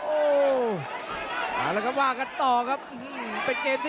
โอ้โหสอกขวาก่อนเพชรดำ